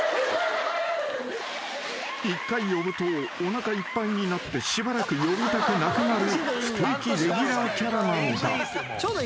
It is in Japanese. ［１回呼ぶとおなかいっぱいになってしばらく呼びたくなくなる不定期レギュラーキャラなのだ］